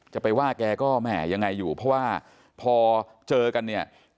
จะไปว่าแกก็แม่ยังไงอยู่เพราะว่าพอเจอกันเนี่ย